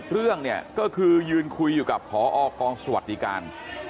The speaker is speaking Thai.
เรื่องเนี่ยก็คือยืนคุยอยู่กับพอกองสวัสดิการ